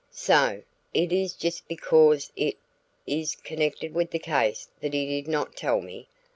"So! It is just because it is connected with the case that he did not tell me.